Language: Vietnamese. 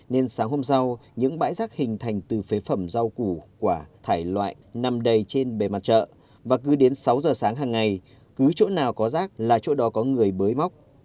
nên sáng hôm sau những bãi rác hình thành từ phế phẩm rau củ quả thải loại nằm đầy trên bề mặt chợ và cứ đến sáu giờ sáng hàng ngày cứ chỗ nào có rác là chỗ đó có người bới móc